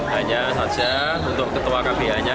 hanya saja untuk ketuakan dianya